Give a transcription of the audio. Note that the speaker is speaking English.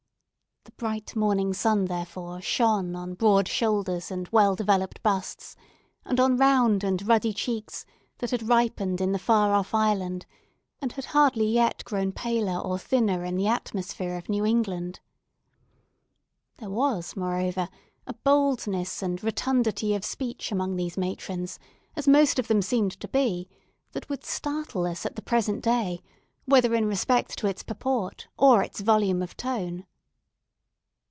The bright morning sun, therefore, shone on broad shoulders and well developed busts, and on round and ruddy cheeks, that had ripened in the far off island, and had hardly yet grown paler or thinner in the atmosphere of New England. There was, moreover, a boldness and rotundity of speech among these matrons, as most of them seemed to be, that would startle us at the present day, whether in respect to its purport or its volume of tone.